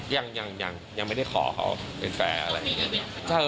ยังไม่ได้ขอเขาเป็นแฟนอะไรอย่างนี้